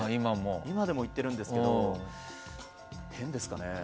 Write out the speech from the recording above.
今でも言ってるんですけど変ですかね？